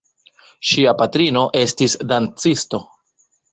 Ŝia patrino estis dancisto.